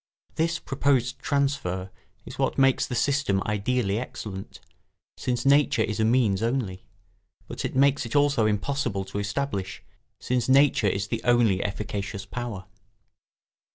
This proposed transfer is what makes the system ideally excellent, since nature is a means only; but it makes it also almost impossible to establish, since nature is the only efficacious power.